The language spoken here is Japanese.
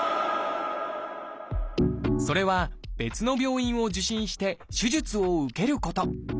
それは別の病院を受診して手術を受けること。